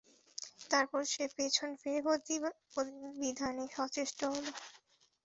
তারপর সে পেছন ফিরে প্রতিবিধানে সচেষ্ট হল।